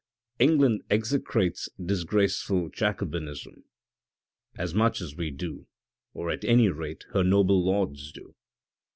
England execrates disgraceful Jacobinism as much as we do, or at any rate her noble lords do.